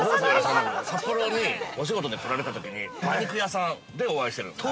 札幌にお仕事で来られたときに馬肉屋さんでお会いしてるんですよ。